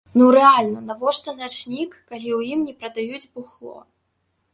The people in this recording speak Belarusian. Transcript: Ну рэальна, навошта начнік, калі ў ім не прадаюць бухло!?